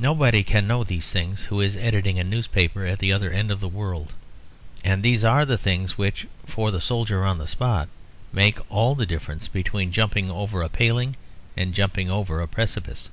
Nobody can know these things who is editing a newspaper at the other end of the world; and these are the things which, for the soldier on the spot, make all the difference between jumping over a paling and jumping over a precipice.